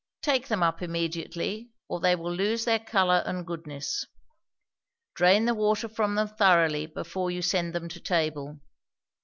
Take them up immediately, or they will lose their color and goodness. Drain the water from them thoroughly before you send them to table.